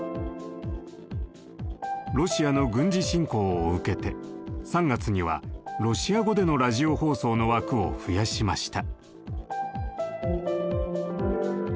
ロシアの軍事侵攻を受けて３月にはロシア語でのラジオ放送の枠を増やしました。